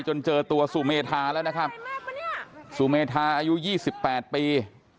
เจอตัวสุเมธาแล้วนะครับสุเมธาอายุ๒๘ปี